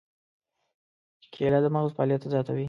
کېله د مغز فعالیت زیاتوي.